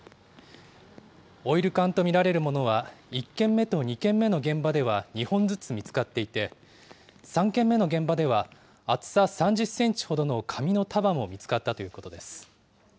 オイル缶と見られるものは、１件目と２件目の現場では２本ずつ見つかっていて、３件目の現場では、厚さ３０センチほどの紙の束も見つかったということです。